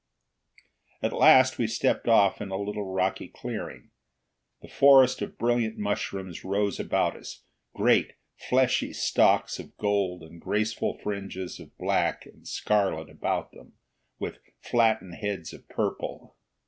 At last we stepped off in a little rocky clearing. The forest of brilliant mushrooms rose about us, great fleshy stalks of gold and graceful fringes of black and scarlet about them, with flattened heads of purple.